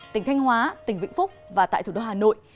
tỉnh thanh hóa tỉnh vĩnh phúc và tại thủ đô hà nội